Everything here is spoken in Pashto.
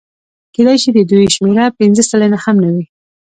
کېدای شي د دوی شمېره پنځه سلنه هم نه وي